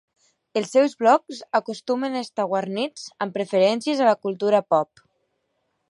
Els seus blogs acostumen a estar guarnits amb referències a la cultura pop.